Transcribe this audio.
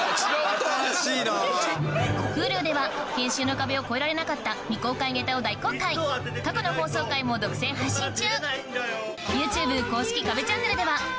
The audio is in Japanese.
Ｈｕｌｕでは編集の壁を越えられなかった未公開ネタを大公開過去の放送回も独占配信中